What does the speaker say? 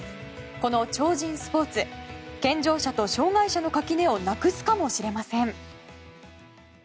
この超人スポーツ健常者と障害者の垣根をなくすかもしれません。